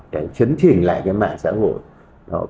phải chấn chỉnh lại cái mạng xã hội